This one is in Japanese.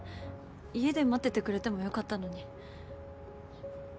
家で待っててくれてもよかったのに。